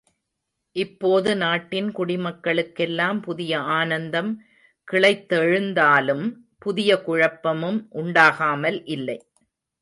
இப்போது நாட்டின் குடிமக்களுக்கெல்லாம் புதிய ஆனந்தம் கிளைத்தெழுந்தாலும், புதிய குழப்பமும் உண்டாகாமல் இல்லை.